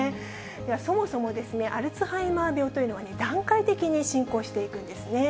では、そもそもアルツハイマー病というのはね、段階的に進行していくんですね。